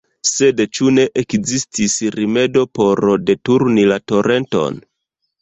Sed ĉu ne ekzistis rimedo por deturni la torenton?